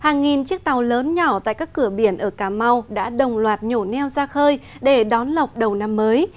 hàng nghìn chiếc tàu lớn nhỏ tại các cửa biển ở cà mau đã đồng loạt nhổ neo ra khơi để đón lọc đầu năm mới